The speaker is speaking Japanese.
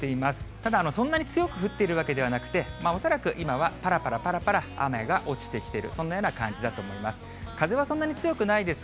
ただそんなに強く降っているわけではなくて、恐らく今はぱらぱらぱらぱら雨が落ちてきている、そんなような感じだと思います。